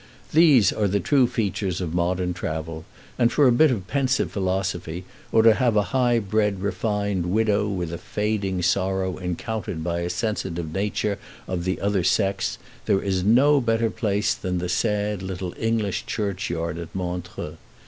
These are the true features of modern travel, and for a bit of pensive philosophy, or to have a high bred, refined widow with a fading sorrow encountered by a sensitive nature of the other sex, there is no better place than the sad little English church yard at Montreux.